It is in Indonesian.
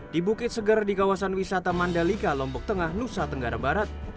di bukit segar di kawasan wisata mandalika lombok tengah nusa tenggara barat